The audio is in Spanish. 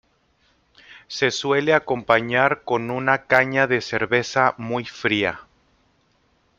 Se suele acompañar con una caña de cerveza muy fría.